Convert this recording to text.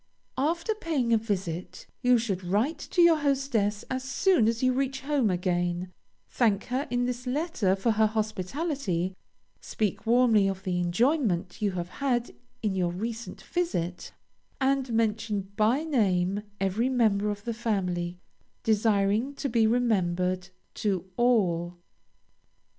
After paying a visit, you should write to your hostess as soon as you reach home again; thank her in this letter for her hospitality, speak warmly of the enjoyment you have had in your recent visit, and mention by name every member of the family, desiring to be remembered to all.